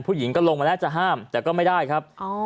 ผู้หญิงก็ลงมาแล้วจะห้ามแต่ก็ไม่ได้ครับ